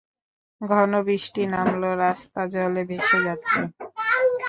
ঘনবৃষ্টি নামল, রাস্তা জলে ভেসে যাচ্ছে।